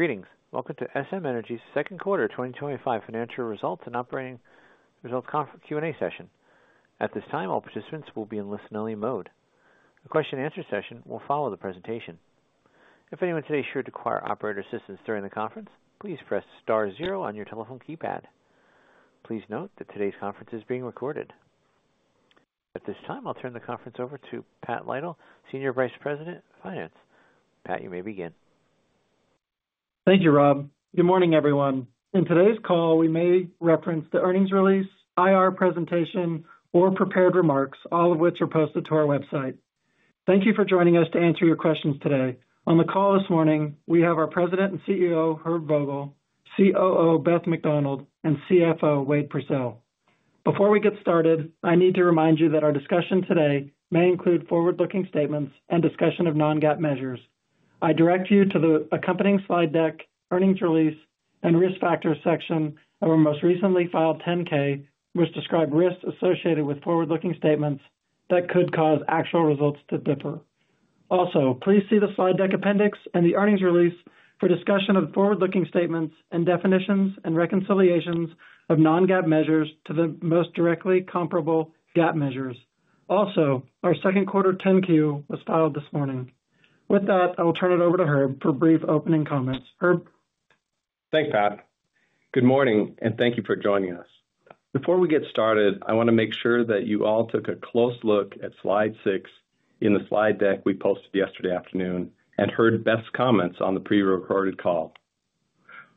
Greetings. Welcome to SM Energy's second quarter 2025 financial results and operating results conference Q&A session. At this time, all participants will be in listen-only mode. The question and answer session will follow the presentation. If anyone today should require operator assistance during the conference, please press star zero on your telephone keypad. Please note that today's conference is being recorded. At this time, I'll turn the conference over to Pat Lytle, Senior Vice President of Finance. Pat, you may begin. Thank you, Rob. Good morning, everyone. In today's call, we may reference the earnings release, IR presentation, or prepared remarks, all of which are posted to our website. Thank you for joining us to answer your questions today. On the call this morning, we have our President and CEO, Herb Vogel, COO, Beth McDonald, and CFO, Wade Pursell. Before we get started, I need to remind you that our discussion today may include forward-looking statements and discussion of non-GAAP measures. I direct you to the accompanying slide deck, earnings release, and risk factors section of our most recently filed 10-K, which describes risks associated with forward-looking statements that could cause actual results to differ. Also, please see the slide deck appendix and the earnings release for discussion of forward-looking statements and definitions and reconciliations of non-GAAP measures to the most directly comparable GAAP measures. Also, our second quarter 10-Q was filed this morning. With that, I will turn it over to Herb for brief opening comments. Herb? Thanks, Pat. Good morning, and thank you for joining us. Before we get started, I want to make sure that you all took a close look at slide six in the slide deck we posted yesterday afternoon and heard Beth's comments on the prerecorded call.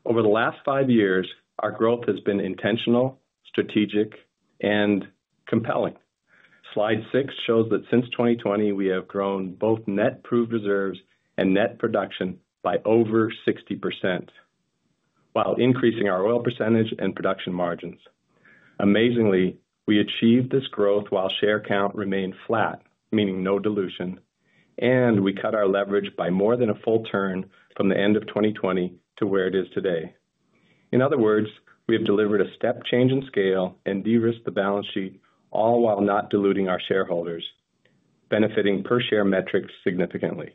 Over the last five years, our growth has been intentional, strategic, and compelling. Slide six shows that since 2020, we have grown both net proved reserves and net production by over 60%, while increasing our oil percentage and production margins. Amazingly, we achieved this growth while share count remained flat, meaning no dilution, and we cut our leverage by more than a full turn from the end of 2020 to where it is today. In other words, we have delivered a step change in scale and de-risked the balance sheet, all while not diluting our shareholders, benefiting per-share metrics significantly.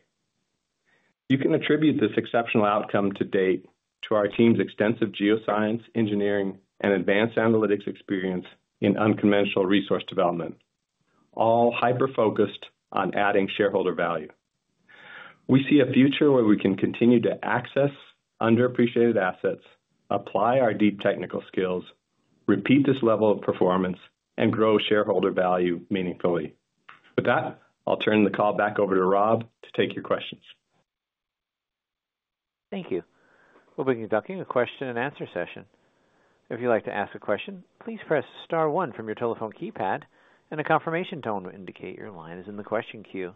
You can attribute this exceptional outcome to date to our team's extensive geoscience, engineering, and advanced analytics experience in unconventional resource development, all hyper-focused on adding shareholder value. We see a future where we can continue to access underappreciated assets, apply our deep technical skills, repeat this level of performance, and grow shareholder value meaningfully. With that, I'll turn the call back over to Rob to take your questions. Thank you. We'll begin conducting a question and answer session. If you'd like to ask a question, please press star one from your telephone keypad, and a confirmation tone will indicate your line is in the question queue.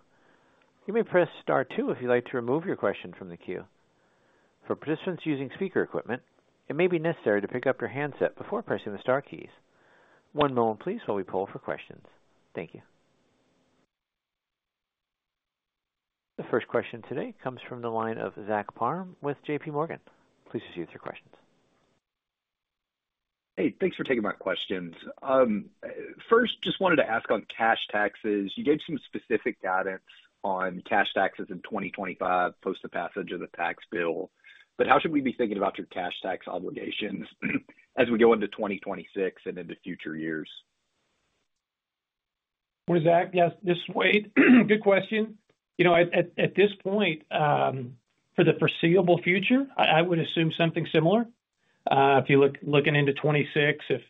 You may press star two if you'd like to remove your question from the queue. For participants using speaker equipment, it may be necessary to pick up your handset before pressing the star keys. One moment, please, while we pull for questions. Thank you. The first question today comes from the line of Zach Parham with JPMorgan. Please proceed with your questions. Hey, thanks for taking my questions. First, I just wanted to ask on cash taxes. You gave some specific guidance on cash taxes in 2025 post the passage of the tax bill, but how should we be thinking about your cash tax obligations as we go into 2026 and into future years? Morning, Zach. Yes, this is Wade. Good question. At this point, for the foreseeable future, I would assume something similar. If you're looking into 2026,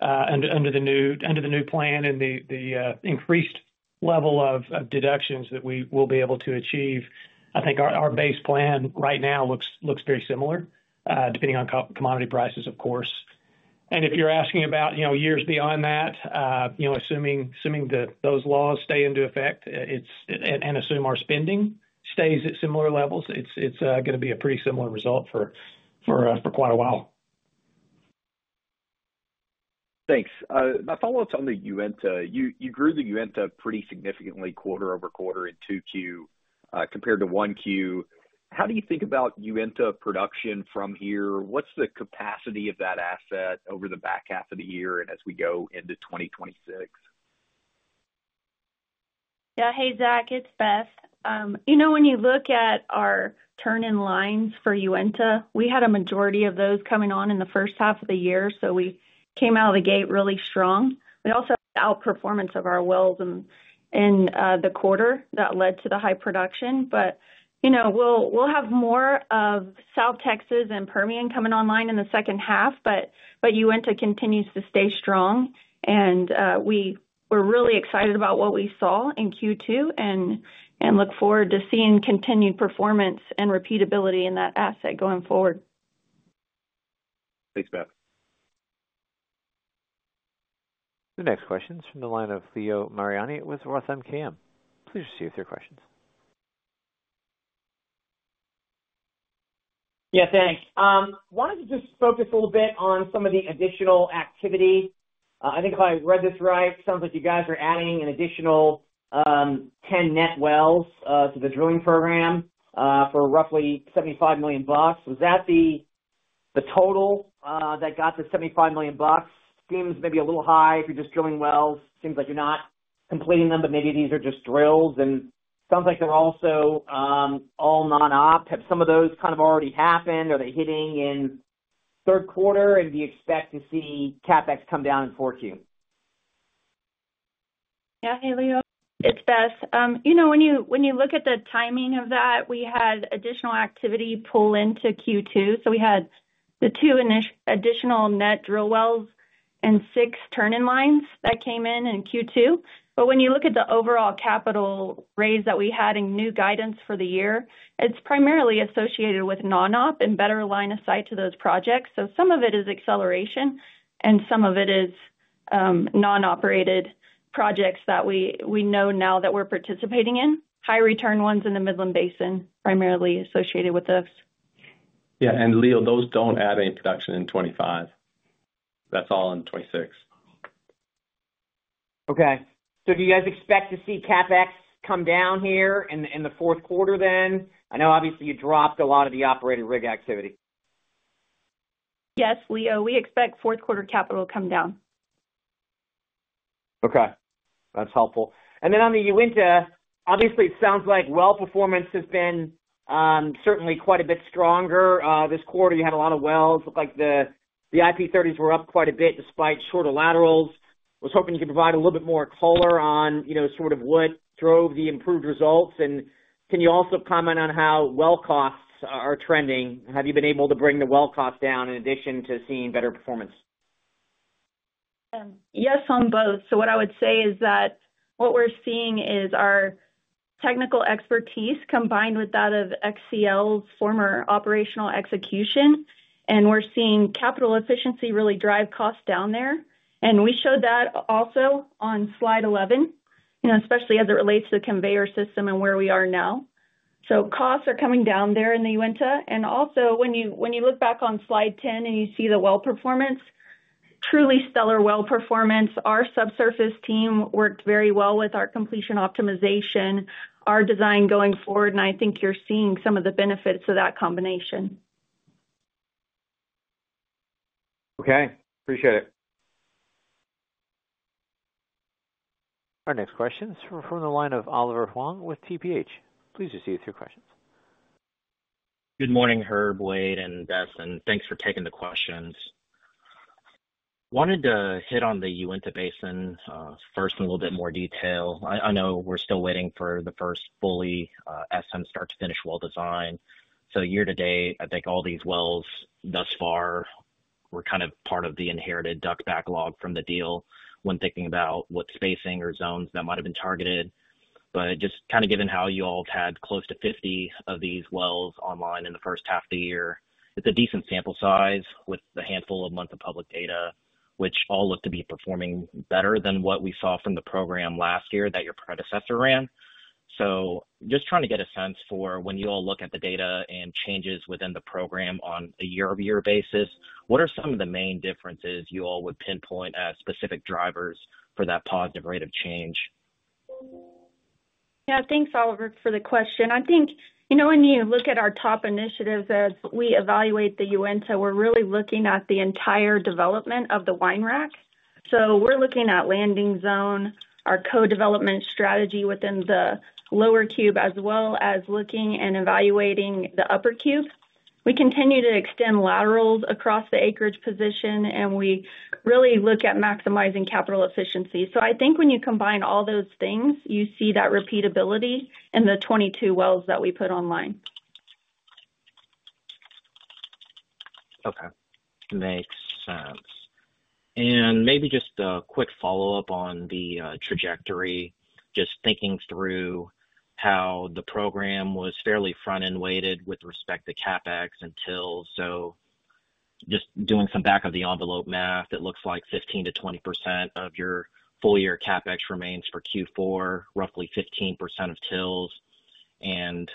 under the new plan and the increased level of deductions that we will be able to achieve, I think our base plan right now looks very similar, depending on commodity prices, of course. If you're asking about years beyond that, assuming those laws stay into effect and assume our spending stays at similar levels, it's going to be a pretty similar result for quite a while. Thanks. My follow-up's on the Uinta. You grew the Uinta pretty significantly quarter-over-quarter in 2Q compared to 1Q. How do you think about Uinta production from here? What's the capacity of that asset over the back half of the year and as we go into 2026? Yeah. Hey, Zach, it's Beth. You know, when you look at our turn-in lines for Uinta, we had a majority of those coming on in the first half of the year, so we came out of the gate really strong. We also had the outperformance of our wells in the quarter that led to the high production. You know, we'll have more of South Texas and Permian coming online in the second half, but Uinta continues to stay strong. We were really excited about what we saw in Q2 and look forward to seeing continued performance and repeatability in that asset going forward. Thanks, Beth. The next question is from the line of Leo Mariani with ROTH MKM. Please proceed with your questions. Yeah, thanks. I wanted to just focus a little bit on some of the additional activity. I think if I read this right, it sounds like you guys are adding an additional 10 net wells to the drilling program for roughly $75 million. Was that the total that got the $75 million? Seems maybe a little high if you're just drilling wells. Seems like you're not completing them, but maybe these are just drills. It sounds like they're also all non-op. Have some of those kind of already happened? Are they hitting in third quarter? Do you expect to see CapEx come down in 4Q? Yeah. Hey, Leo. It's Beth. When you look at the timing of that, we had additional activity pull into Q2. We had the two additional net drill wells and six turn-in lines that came in in Q2. When you look at the overall capital raise that we had in new guidance for the year, it's primarily associated with non-op and better line of sight to those projects. Some of it is acceleration, and some of it is non-operated projects that we know now that we're participating in. High-return ones in the Midland Basin primarily associated with those. Yes, Leo, those don't add any production in 2025. That's all in 2026. Okay. Do you guys expect to see CapEx come down here in the fourth quarter then? I know, obviously, you dropped a lot of the operator rig activity. Yes, Leo, we expect fourth quarter capital to come down. Okay. That's helpful. On the Uinta, obviously, it sounds like well performance has been certainly quite a bit stronger this quarter. You had a lot of wells. It looked like the IP30s were up quite a bit despite shorter laterals. I was hoping you could provide a little bit more color on what drove the improved results. Can you also comment on how well costs are trending? Have you been able to bring the well cost down in addition to seeing better performance? Yes, on both. What I would say is that what we're seeing is our technical expertise combined with that of XCL's former operational execution, and we're seeing capital efficiency really drive costs down there. We showed that also on slide 11, especially as it relates to the conveyor system and where we are now. Costs are coming down there in the Uinta. Also, when you look back on slide 10 and you see the well performance, truly stellar well performance. Our subsurface team worked very well with our completion optimization, our design going forward, and I think you're seeing some of the benefits of that combination. Okay, appreciate it. Our next question is from the line of Oliver Huang with TPH. Please proceed with your questions. Good morning, Herb, Wade, and Beth, and thanks for taking the questions. I wanted to hit on the Uinta Basin first in a little bit more detail. I know we're still waiting for the first fully SM start-to-finish well design. Year to date, I think all these wells thus far were kind of part of the inherited duct backlog from the deal when thinking about what spacing or zones that might have been targeted. Just given how you all have had close to 50 of these wells online in the first half of the year, it's a decent sample size with a handful of months of public data, which all look to be performing better than what we saw from the program last year that your predecessor ran. Just trying to get a sense for when you all look at the data and changes within the program on a year-over-year basis, what are some of the main differences you all would pinpoint as specific drivers for that positive rate of change? Yeah. Thanks, Oliver, for the question. I think, you know, when you look at our top initiatives as we evaluate the Uinta, we're really looking at the entire development of the wine rack. We're looking at landing zone, our co-development strategy within the lower cube, as well as looking and evaluating the upper cube. We continue to extend laterals across the acreage position, and we really look at maximizing capital efficiency. I think when you combine all those things, you see that repeatability in the 22 wells that we put online. Okay. Makes sense. Maybe just a quick follow-up on the trajectory, just thinking through how the program was fairly front-end weighted with respect to CapEx and tills. Just doing some back-of-the-envelope math, it looks like 15%-20% of your full-year CapEx remains for Q4, roughly 15% of tills.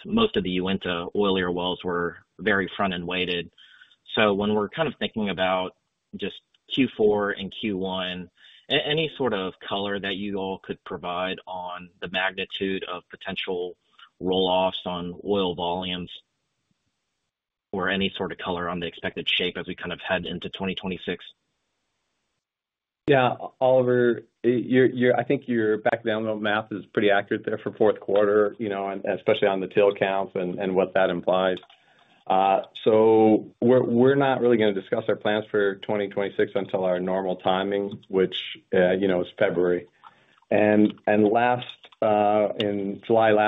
Most of the Uinta oilier wells were very front-end weighted. When we're kind of thinking about just Q4 and Q1, any sort of color that you all could provide on the magnitude of potential rolloffs on oil volumes or any sort of color on the expected shape as we kind of head into 2026? Yeah, Oliver, I think your back-of-the-envelope math is pretty accurate there for fourth quarter, especially on the till counts and what that implies. We're not really going to discuss our plans for 2026 until our normal timing, which is February. Last July,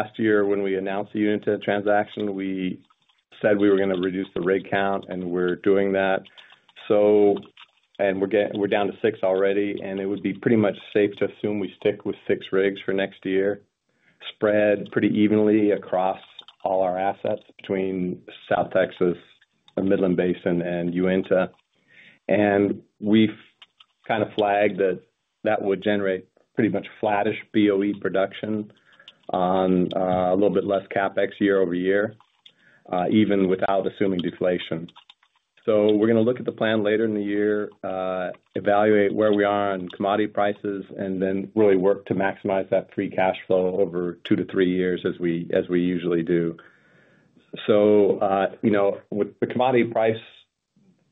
when we announced the Uinta transaction, we said we were going to reduce the rig count, and we're doing that. We're down to six already, and it would be pretty much safe to assume we stick with six rigs for next year, spread pretty evenly across all our assets between South Texas, the Midland Basin, and Uinta. We've kind of flagged that that would generate pretty much flattish BOE production on a little bit less CapEx year-over-year, even without assuming deflation. We're going to look at the plan later in the year, evaluate where we are on commodity prices, and then really work to maximize that free cash flow over two to three years as we usually do. With the commodity price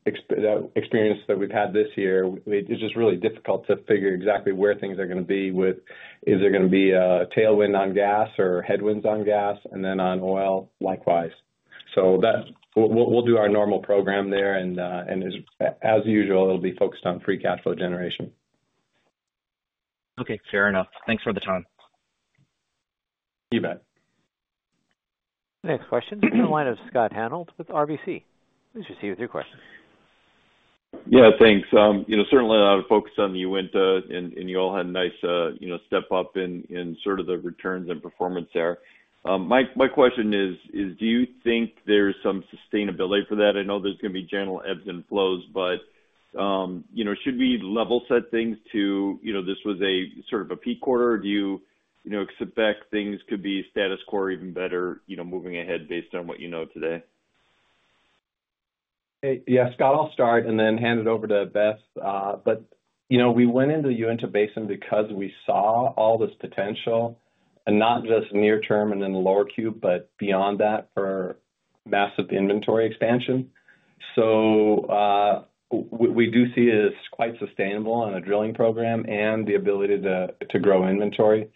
experience that we've had this year, it's just really difficult to figure exactly where things are going to be, is there going to be a tailwind on gas or headwinds on gas, and then on oil, likewise. We'll do our normal program there, and as usual, it'll be focused on free cash flow generation. Okay. Fair enough. Thanks for the time. You bet. Next question is from the line of Scott Hanold with RBC. Please proceed with your question. Yeah, thanks. Certainly, I would focus on the Uinta, and you all had a nice step up in the returns and performance there. My question is, do you think there's some sustainability for that? I know there's going to be general ebbs and flows, but should we level-set things to this was sort of a peak quarter? Or do you expect things could be status quo or even better, moving ahead based on what you know today? Yeah, Scott, I'll start and then hand it over to Beth. You know, we went into the Uinta Basin because we saw all this potential, not just near-term and in the lower cube, but beyond that for massive inventory expansion. What we do see is quite sustainable on a drilling program and the ability to grow inventory.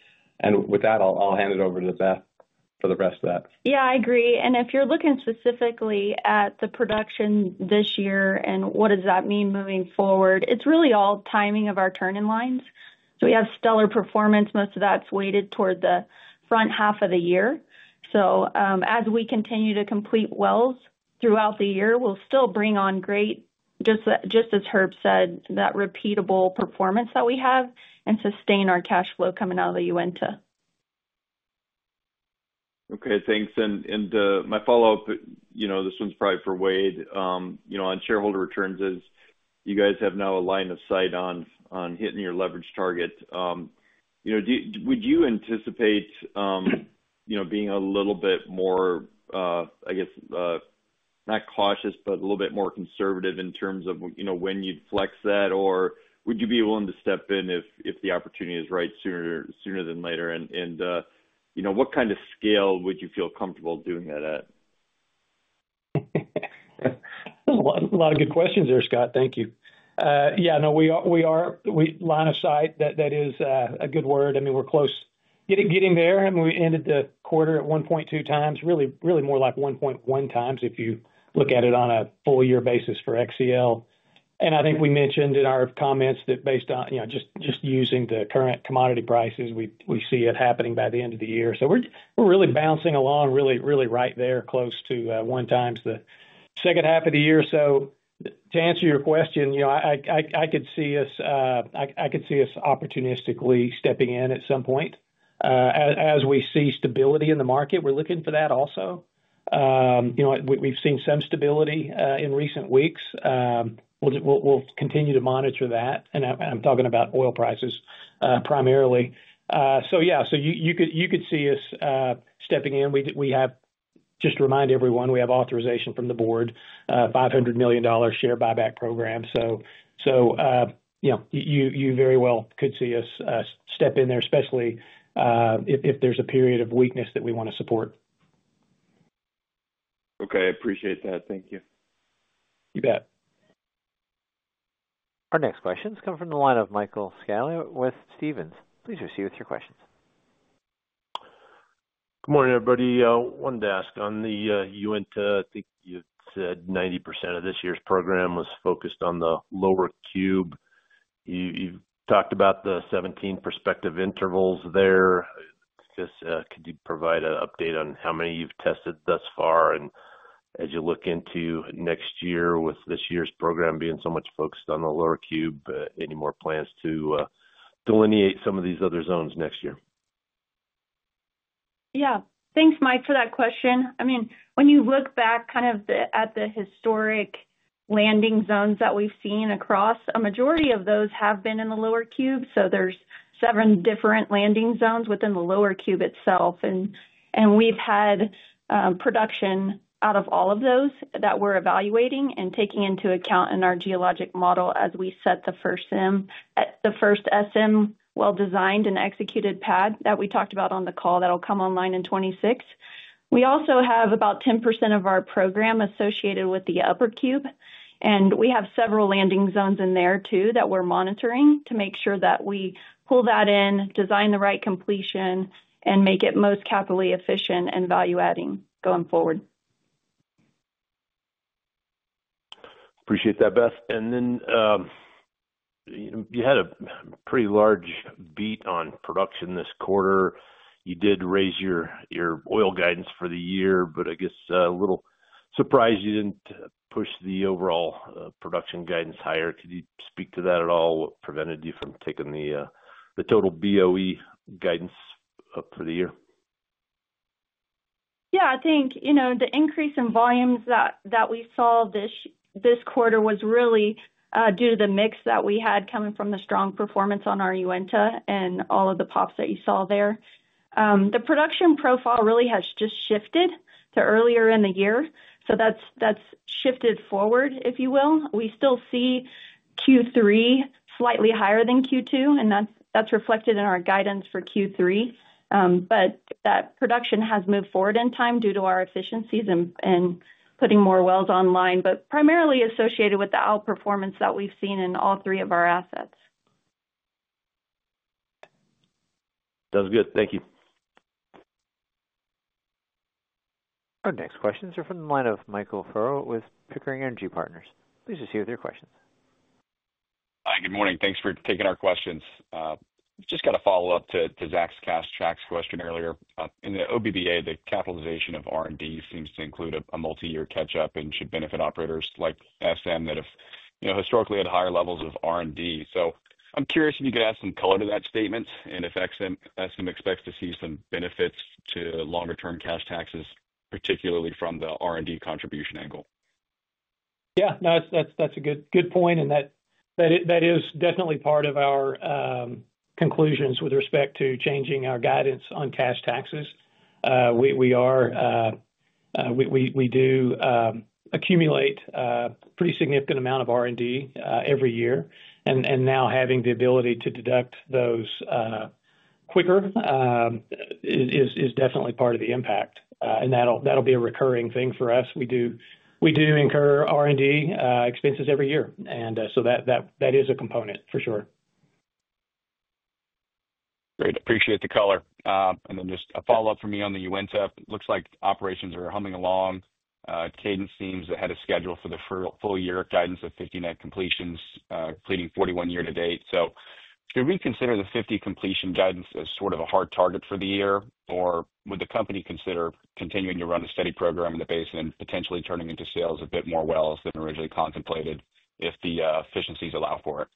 With that, I'll hand it over to Beth for the rest of that. Yeah, I agree. If you're looking specifically at the production this year, and what does that mean moving forward, it's really all timing of our turn-in lines. We have stellar performance. Most of that's weighted toward the front half of the year. As we continue to complete wells throughout the year, we'll still bring on great, just as Herb said, that repeatable performance that we have and sustain our cash flow coming out of the Uinta. Okay. Thanks. My follow-up, this one's probably for Wade. On shareholder returns, as you guys have now a line of sight on hitting your leverage target, would you anticipate being a little bit more, I guess, not cautious, but a little bit more conservative in terms of when you'd flex that, or would you be willing to step in if the opportunity is right sooner than later? What kind of scale would you feel comfortable doing that at? A lot of good questions there, Scott. Thank you. Yeah, we are line of sight. That is a good word. I mean, we're close getting there. We ended the quarter at 1.2x, really more like 1.1x if you look at it on a full-year basis for XCL. I think we mentioned in our comments that based on, you know, just using the current commodity prices, we see it happening by the end of the year. We're really bouncing along right there, close to one times the second half of the year. To answer your question, I could see us opportunistically stepping in at some point. As we see stability in the market, we're looking for that also. We've seen some stability in recent weeks. We'll continue to monitor that. I'm talking about oil prices primarily. You could see us stepping in. We have, just to remind everyone, authorization from the board, a $500 million share buyback program. You very well could see us step in there, especially if there's a period of weakness that we want to support. Okay, I appreciate that. Thank you. You bet. Our next question has come from the line of Michael Scialla with Stephens. Please proceed with your questions. Good morning, everybody. One desk on the Uinta. I think you said 90% of this year's program was focused on the lower cube. You've talked about the 17 prospective intervals there. I guess, could you provide an update on how many you've tested thus far? As you look into next year, with this year's program being so much focused on the lower cube, any more plans to delineate some of these other zones next year? Yeah. Thanks, Mike, for that question. When you look back at the historic landing zones that we've seen across, a majority of those have been in the lower cube. There are seven different landing zones within the lower cube itself, and we've had production out of all of those that we're evaluating and taking into account in our geologic model as we set the first SIM, the first well-designed and executed pad that we talked about on the call that will come online in 2026. We also have about 10% of our program associated with the upper cube, and we have several landing zones in there too that we're monitoring to make sure that we pull that in, design the right completion, and make it most capitally efficient and value-adding going forward. Appreciate that, Beth. You had a pretty large beat on production this quarter. You did raise your oil guidance for the year, but I guess a little surprised you didn't push the overall production guidance higher. Could you speak to that at all? What prevented you from taking the total BOE guidance for the year? I think the increase in volumes that we saw this quarter was really due to the mix that we had coming from the strong performance on our Uinta and all of the pops that you saw there. The production profile really has just shifted to earlier in the year. That's shifted forward, if you will. We still see Q3 slightly higher than Q2, and that's reflected in our guidance for Q3. That production has moved forward in time due to our efficiencies and putting more wells online, primarily associated with the outperformance that we've seen in all three of our assets. Sounds good. Thank you. Our next questions are from the line of Michael Furrow with Pickering Energy Partners. Please proceed with your questions. Hi. Good morning. Thanks for taking our questions. I've just got a follow-up to Zach's cash taxes question earlier. In the OBBA, the capitalization of R&D seems to include a multi-year catch-up and should benefit operators like SM that have, you know, historically had higher levels of R&D. I'm curious if you could add some color to that statement and if SM expects to see some benefits to longer-term cash taxes, particularly from the R&D contribution angle. Yeah, that's a good point. That is definitely part of our conclusions with respect to changing our guidance on cash taxes. We do accumulate a pretty significant amount of R&D every year. Now having the ability to deduct those quicker is definitely part of the impact. That'll be a recurring thing for us. We do incur R&D expenses every year, so that is a component for sure. Great. Appreciate the color. Just a follow-up for me on the Uinta. It looks like operations are humming along. Cadence seems ahead of schedule for the full year of guidance of 50 net completions, completing 41 year to date. Do we consider the 50 completion guidance as sort of a hard target for the year, or would the company consider continuing to run a steady program in the basin and potentially turning into sales a bit more wells than originally contemplated if the efficiencies allow for it?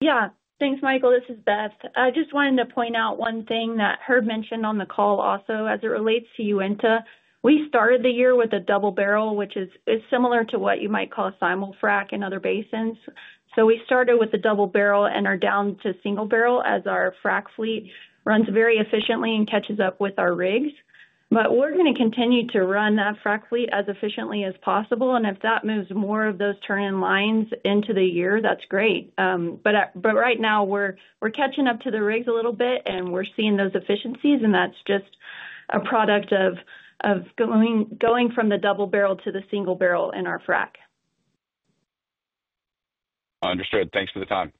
Yeah. Thanks, Michael. This is Beth. I just wanted to point out one thing that Herb mentioned on the call also as it relates to Uinta. We started the year with a double barrel, which is similar to what you might call simul frac in other basins. We started with a double barrel and are down to single barrel as our frac fleet runs very efficiently and catches up with our rigs. We're going to continue to run that frac fleet as efficiently as possible. If that moves more of those turn-in lines into the year, that's great. Right now, we're catching up to the rigs a little bit, and we're seeing those efficiencies. That's just a product of going from the double barrel to the single barrel in our frac. Understood. Thanks for the time.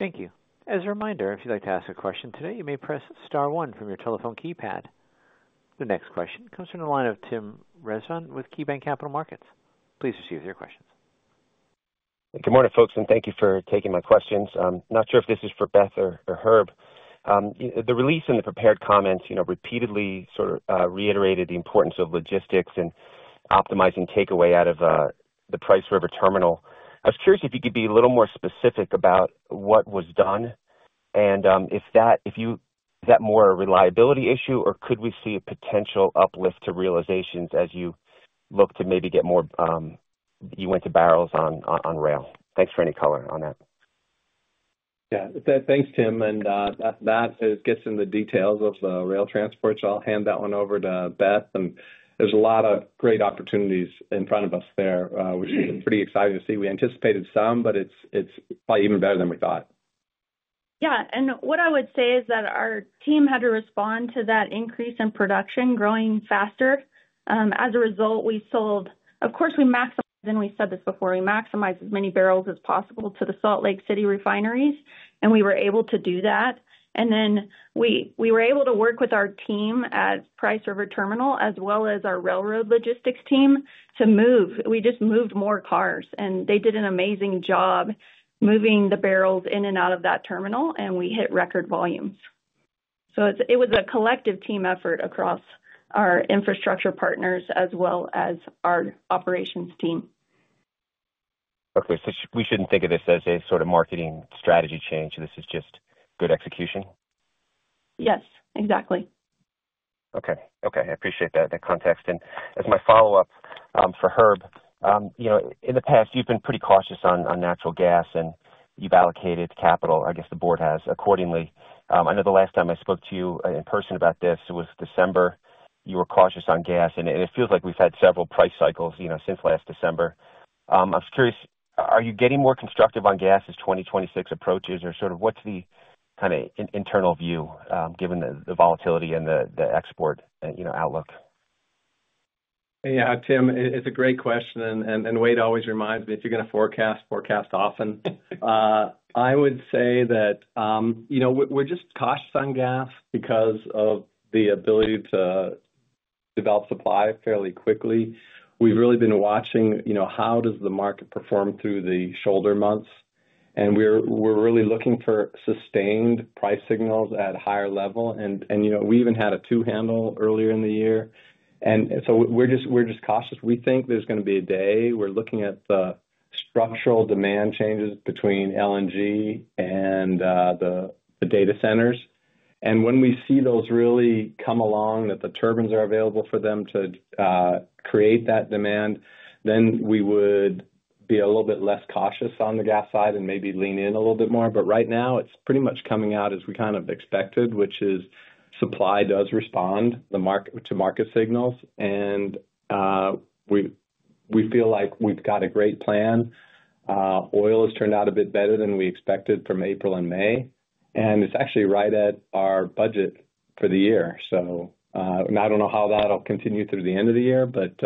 Thank you. As a reminder, if you'd like to ask a question today, you may press star one from your telephone keypad. The next question comes from the line of Tim Rezvan with KeyBanc Capital Markets. Please proceed with your questions. Good morning, folks, and thank you for taking my questions. I'm not sure if this is for Beth or Herb. The release and the prepared comments repeatedly sort of reiterated the importance of logistics and optimizing takeaway out of the Price River Terminal. I was curious if you could be a little more specific about what was done and if that, if you view that more a reliability issue, or could we see a potential uplift to realizations as you look to maybe get more Uinta barrels on rail? Thanks for any color on that. Thank you, Tim. That gets in the details of the rail transport. I'll hand that one over to Beth. There are a lot of great opportunities in front of us there, which is pretty exciting to see. We anticipated some, but it's probably even better than we thought. Yeah. What I would say is that our team had to respond to that increase in production growing faster. As a result, we sold, of course, we maximized, and we said this before, we maximized as many barrels as possible to the Salt Lake City refineries, and we were able to do that. We were able to work with our team at Price River Terminal, as well as our railroad logistics team, to move. We just moved more cars, and they did an amazing job moving the barrels in and out of that terminal, and we hit record volumes. It was a collective team effort across our infrastructure partners, as well as our operations team. Okay. We shouldn't think of this as a sort of marketing strategy change. This is just good execution? Yes, exactly. Okay. I appreciate that context. As my follow-up for Herb, you know, in the past, you've been pretty cautious on natural gas, and you've allocated capital, I guess the board has, accordingly. I know the last time I spoke to you in person about this, it was December. You were cautious on gas, and it feels like we've had several price cycles since last December. I'm curious, are you getting more constructive on gas as 2026 approaches, or sort of what's the kind of internal view, given the volatility and the export outlook? Yeah, Tim, it's a great question. Wade always reminds me, if you're going to forecast, forecast often. I would say that we're just cautious on gas because of the ability to develop supply fairly quickly. We've really been watching how does the market perform through the shoulder months? We're really looking for sustained price signals at a higher level. We even had a two-handle earlier in the year, so we're just cautious. We think there's going to be a day we're looking at the structural demand changes between LNG and the data centers. When we see those really come along, that the turbines are available for them to create that demand, then we would be a little bit less cautious on the gas side and maybe lean in a little bit more. Right now, it's pretty much coming out as we kind of expected, which is supply does respond to market signals. We feel like we've got a great plan. Oil has turned out a bit better than we expected from April and May, and it's actually right at our budget for the year. I don't know how that'll continue through the end of the year, but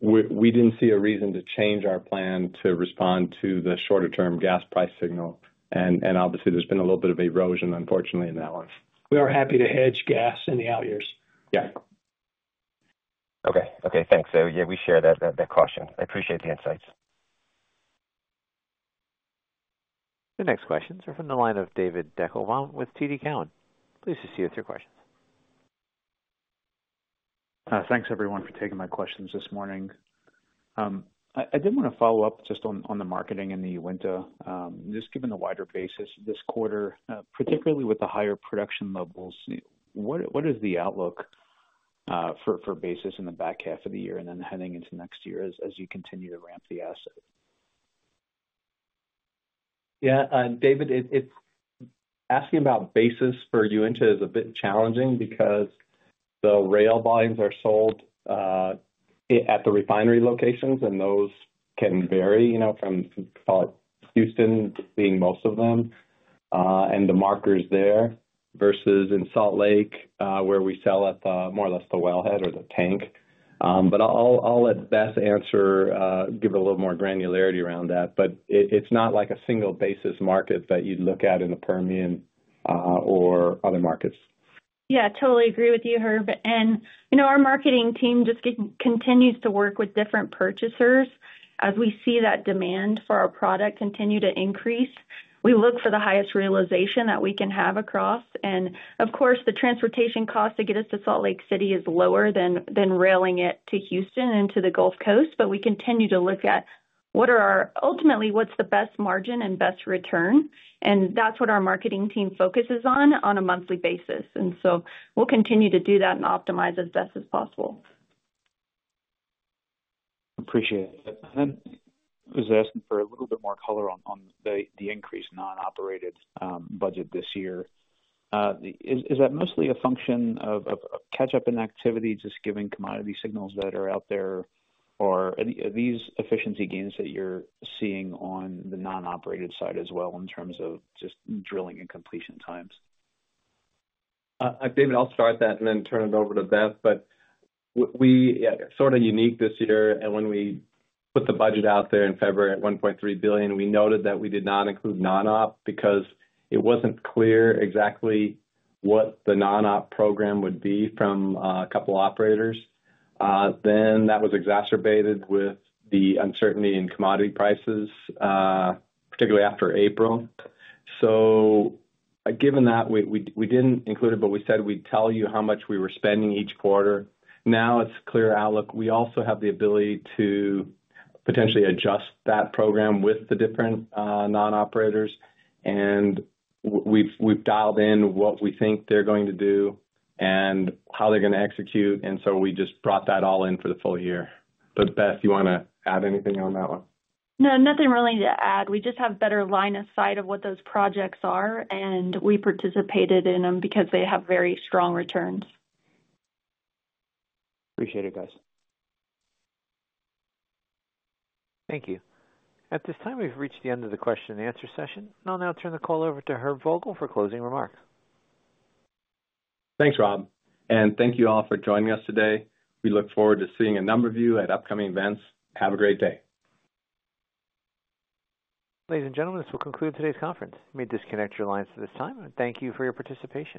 we didn't see a reason to change our plan to respond to the shorter-term gas price signal. Obviously, there's been a little bit of erosion, unfortunately, in that one. We are happy to hedge gas in the out years. Yeah. Okay. Thanks. Yeah, we share that caution. I appreciate the insights. The next questions are from the line of David Deckelbaum with TD Cowen. Please proceed with your questions. Thanks, everyone, for taking my questions this morning. I did want to follow up just on the marketing and the Uinta. Just given the wider basis this quarter, particularly with the higher production levels, what is the outlook for basis in the back half of the year and then heading into next year as you continue to ramp the asset? Yeah. David, asking about basis for Uinta is a bit challenging because the rail volumes are sold at the refinery locations, and those can vary, you know, from, call it, Houston being most of them, and the markers there versus in Salt Lake, where we sell at the more or less the wellhead or the tank. I'll let Beth answer, give it a little more granularity around that. It's not like a single basis market that you'd look at in the Permian or other markets. Yeah, I totally agree with you, Herb. You know, our marketing team just continues to work with different purchasers as we see that demand for our product continue to increase. We look for the highest realization that we can have across. Of course, the transportation cost to get us to Salt Lake City is lower than railing it to Houston and to the Gulf Coast. We continue to look at what's the best margin and best return. That's what our marketing team focuses on on a monthly basis. We'll continue to do that and optimize as best as possible. Appreciate it. I was asking for a little bit more color on the increase in non-operated budget this year. Is that mostly a function of catch-up in activity, just given commodity signals that are out there? Are these efficiency gains that you're seeing on the non-operated side as well in terms of just drilling and completion times? David, I'll start that and then turn it over to Beth. We are sort of unique this year. When we put the budget out there in February at $1.3 billion, we noted that we did not include non-op because it wasn't clear exactly what the non-op program would be from a couple of operators. That was exacerbated with the uncertainty in commodity prices, particularly after April. Given that, we didn't include it, but we said we'd tell you how much we were spending each quarter. Now it's a clear outlook. We also have the ability to potentially adjust that program with the different non-operators. We've dialed in what we think they're going to do and how they're going to execute, and we just brought that all in for the full year. Beth, you want to add anything on that one? No, nothing really to add. We just have better line of sight of what those projects are, and we participated in them because they have very strong returns. Appreciate it, guys. Thank you. At this time, we've reached the end of the question and answer session. I'll now turn the call over to Herb Vogel for closing remarks. Thanks, Rob. Thank you all for joining us today. We look forward to seeing a number of you at upcoming events. Have a great day. Ladies and gentlemen, this will conclude today's conference. You may disconnect your lines at this time. Thank you for your participation.